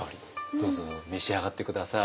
どうぞ召し上がって下さい。